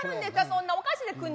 そんなんおかしいです。